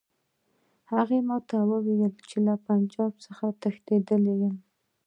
ما هغه ته وویل چې له پنجاب څخه تښتېدلی یم.